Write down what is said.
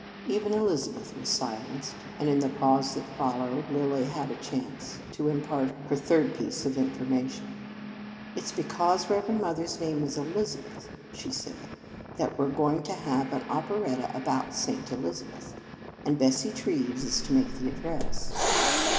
Even Elizabeth was silenced; and, in the pause that followed, Lilly had a chance to impart her third piece of information. " It s because Reverend Mother s name is Elizabeth," she said, " that we re going to have an oper etta about St. Elizabeth; and Bessie Treves is to make the address."